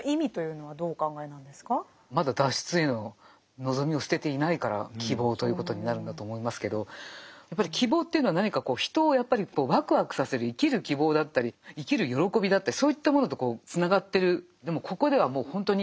まだ脱出への望みを捨てていないから希望ということになるんだと思いますけどやっぱり希望というのは何か人をやっぱりわくわくさせる生きる希望だったり生きる喜びだったりそういったものとこうつながってる。